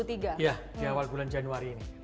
iya di awal bulan januari ini